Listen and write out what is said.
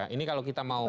ini kalau kita mau